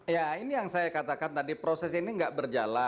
ya ini yang saya katakan tadi proses ini tidak berjalan